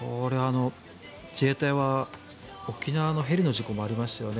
自衛隊は沖縄のヘリの事故もありましたよね。